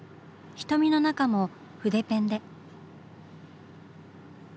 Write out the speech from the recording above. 瞳の中も筆ペンで。